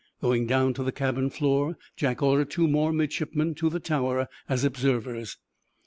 Going down to the cabin floor, Jack ordered two more midshipmen to the tower as observers.